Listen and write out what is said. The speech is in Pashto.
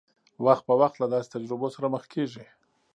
وخت په وخت له داسې تجربو سره مخ کېږي.